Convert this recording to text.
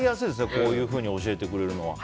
こういうふうに教えてくれるのは。